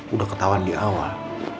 udah ketahuan di awal